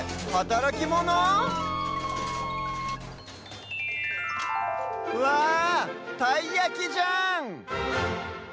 たいやきじゃん！